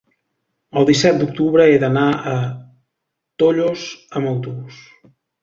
El disset d'octubre he d'anar a Tollos amb autobús.